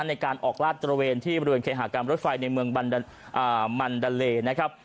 ในการออกลาดตระเวนที่บริเวณเคหากรรมรถไฟในเมืองมันดาเลนะครับ